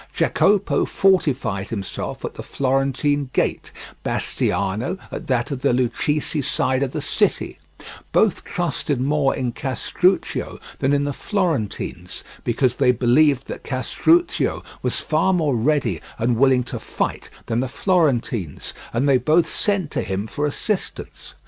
Jacopo fortified himself at the Florentine gate, Bastiano at that of the Lucchese side of the city; both trusted more in Castruccio than in the Florentines, because they believed that Castruccio was far more ready and willing to fight than the Florentines, and they both sent to him for assistance.